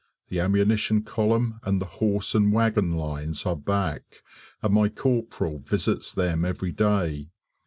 The ammunition column and the horse and wagon lines are back, and my corporal visits them every day.